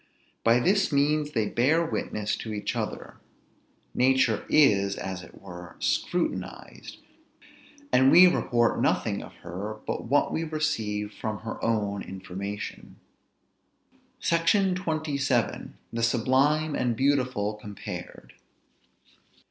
By this means, they bear witness to each other; nature is, as it were, scrutinized; and we report nothing of her but what we receive from her own information. SECTION XXVII. THE SUBLIME AND BEAUTIFUL COMPARED.